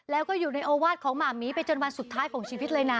แล้วก็อยู่ในโอวาสของหมาหมีไปจนวันสุดท้ายของชีวิตเลยนะ